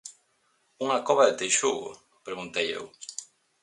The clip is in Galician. _Unha cova de teixugo? _preguntei eu.